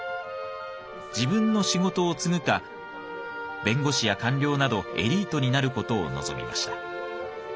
自分の仕事を継ぐか弁護士や官僚などエリートになる事を望みました。